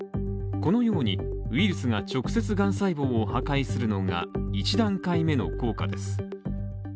このようにウイルスが直接がん細胞を破壊するのが１段階目の効果です。